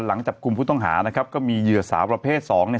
หลังจับกลุ่มผู้ต้องหานะครับก็มีเหยื่อสาวประเภทสองเนี่ย